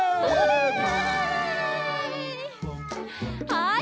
はい！